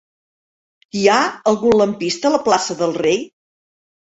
Hi ha algun lampista a la plaça del Rei?